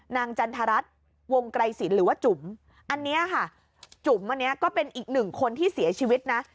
จันทรัฐวงไกรสินหรือว่าจุ๋มอันนี้ค่ะจุ๋มอันนี้ก็เป็นอีกหนึ่งคนที่เสียชีวิตนะ